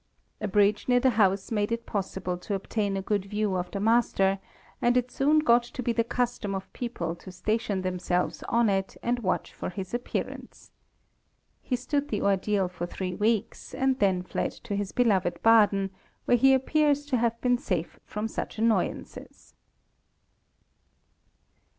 A bridge near the house made it possible to obtain a good view of the master, and it soon got to be the custom for people to station themselves on it and watch for his appearance. He stood the ordeal for three weeks, and then fled to his beloved Baden, where he appears to have been safe from such annoyances.